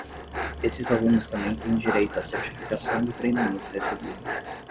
Esses alunos também têm direito à certificação do treinamento recebido.